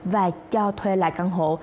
và cho thuê lại căn hộ